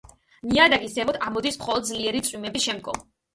ნიადაგის ზემოთ ამოდის მხოლოდ ძლიერი წვიმების შემდგომ.